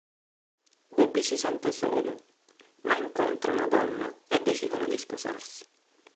Bobby si sente solo, ma incontra una donna e decidono di sposarsi.